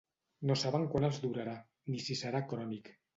No saben quant els durarà, ni si serà crònic.